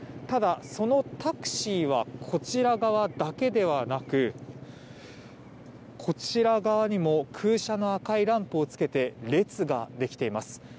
ただ、そのタクシーはこちら側だけではなくこちら側にも空車の赤いランプをつけて列ができています。